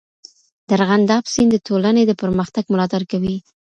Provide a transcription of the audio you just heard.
د ارغنداب سیند د ټولنې د پرمختګ ملاتړ کوي.